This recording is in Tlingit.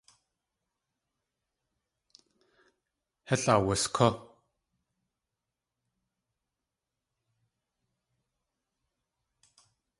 Tlél awuskú.